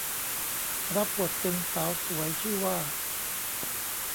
รับบทเป็นสาวสวยชื่อว่า